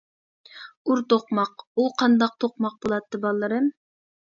-ئۇر توقماق، ئۇ قانداق توقماق بولاتتى بالىلىرىم.